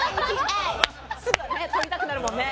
すぐね撮りたくなるもんね。